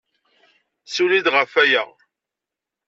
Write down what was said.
Ssiwel yid-i ɣef waya.